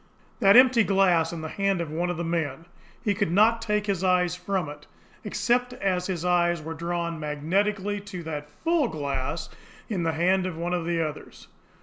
That EMPTY glass in the hand of one of the men! He could not take his eyes from it except as his eyes were drawn magnetically to that FULL glass in the hand of one of the others.